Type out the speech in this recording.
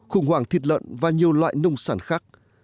khủng hoảng thịt lợn và nhiều loại nông sản khác